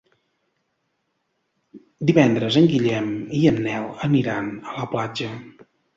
Divendres en Guillem i en Nel aniran a la platja.